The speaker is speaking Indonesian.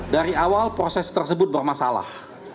dari awal proses tersebut bermasalah